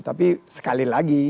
tapi sekali lagi